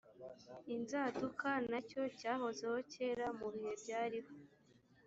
inzaduka na cyo cyahozeho kera mu bihe byariho